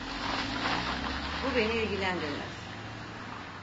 Bu beni ilgilendirmez.